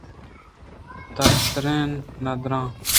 تَتّران ءُ ناران